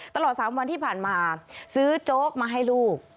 ตลอด๓วันที่ผ่านมาซื้อโจ๊กมาให้ลูก